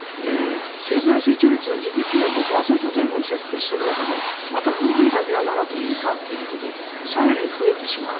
経済成長率がＧＤＰは５％前後に設定している中でまた軍事費だけが７．２％ということで更に増えてしまう。